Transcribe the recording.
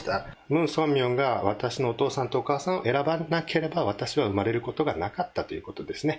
ムン・ソンミョンが私のお父さんとお母さんを選ばなければ、私は生まれることがなかったということですね。